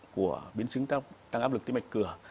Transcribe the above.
của biến chứng tăng áp lực tư mạch cửa